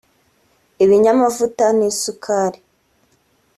ibinyamavuta n’isukari